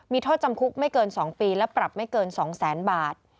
มีโทษจำคุกไม่เกิน๒ปีและปรับไม่เกิน๒แสนบาท